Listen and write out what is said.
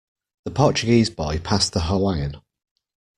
The Portuguese boy passed the Hawaiian.